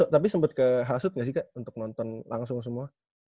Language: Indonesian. tapi sempet ke hasud nggak sih kak untuk nonton langsung semua